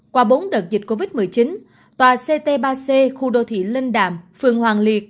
qua bốn đợt dịch covid một mươi chín tòa ct ba c khu đô thị linh đàm phường hoàng liệt